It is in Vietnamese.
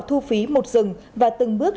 thu phí một rừng và từng bước